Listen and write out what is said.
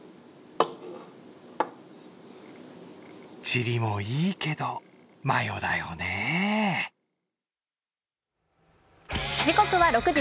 チリもいいけどマヨだよね。